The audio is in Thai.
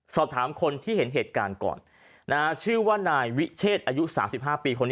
สอบถามคนที่เห็นเหตุการณ์ก่อนชื่อว่านายวิเชษอายุ๓๕ปีคนนี้